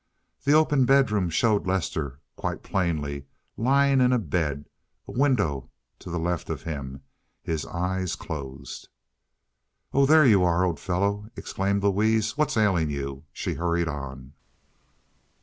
The open bedroom showed Lester quite plainly lying in bed, a window to the left of him, his eyes closed. "Oh, there you are, old fellow!" exclaimed Louise. "What's ailing you?" she hurried on.